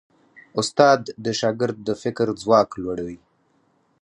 استاد د شاګرد د فکر ځواک لوړوي.